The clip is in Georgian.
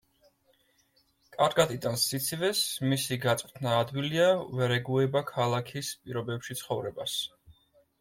კარგად იტანს სიცივეს, მისი გაწვრთნა ადვილია, ვერ ეგუება ქალაქის პირობებში ცხოვრებას.